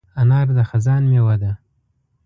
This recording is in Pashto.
انار د خزان مېوه ده.